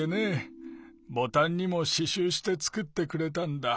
ボタンにもししゅうしてつくってくれたんだ。